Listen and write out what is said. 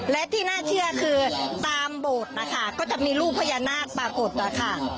และที่น่าเชื่อคือตามโบสถ์นะคะก็จะมีรูปพญานาคปรากฏนะคะ